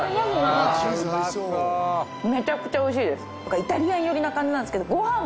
イタリアン寄りな感じなんですけどうわ